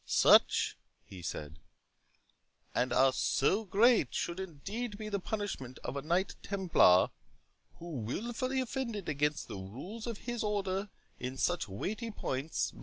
"Such," he said, "and so great should indeed be the punishment of a Knight Templar, who wilfully offended against the rules of his Order in such weighty points.